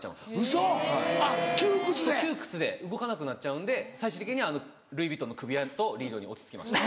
そう窮屈で動かなくなっちゃうんで最終的にはルイ・ヴィトンの首輪とリードに落ち着きました。